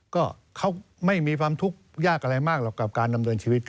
ก็เขาไม่มีความทุกข์ยากอะไรมากหรอกกับการดำเนินชีวิต